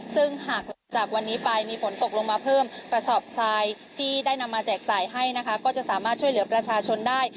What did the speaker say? ซึ่งหากหลังจากวันนี้ไปมีฝนตกลงมาเพิ่มกระสอบทรายที่ได้นำมาแจกจ่ายให้นะคะก็จะสามารถช่วยเหลือประชาชนได้